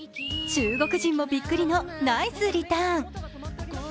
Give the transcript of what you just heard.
中国人もびっくりのナイスリターン。